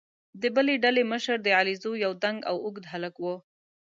د بلې ډلې مشر د علیزو یو دنګ او اوږد هلک وو.